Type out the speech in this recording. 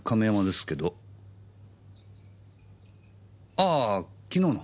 あぁ昨日の。